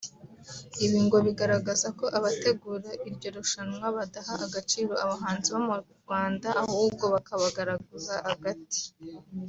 Ibi ngo bigaragaza ko abategura iryo rushanwa badaha agaciro abahanzi bo mu Rwanda ahubwo bakabagaraguza agati